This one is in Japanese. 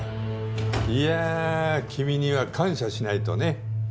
いや君には感謝しないとね。